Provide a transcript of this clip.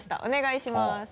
お願いします。